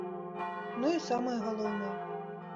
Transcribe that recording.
Ну і самае галоўнае.